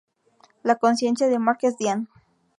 La conciencia de Mark es Diane.